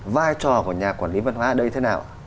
vai trò của nhà quản lý văn hóa ở đây thế nào